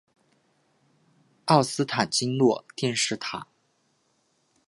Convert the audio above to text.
奥斯坦金诺电视塔。